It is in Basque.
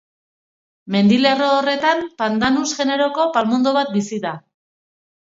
Mendilerro horretan, Pandanus generoko palmondo bat bizi da.